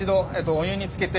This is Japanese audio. お湯につける。